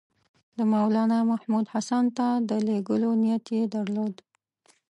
د مولنامحمود حسن ته د لېږلو نیت یې درلود.